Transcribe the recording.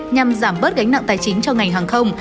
nhằm giảm bớt gánh nặng tài chính cho ngành hàng không